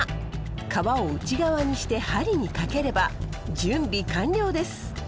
皮を内側にして針にかければ準備完了です。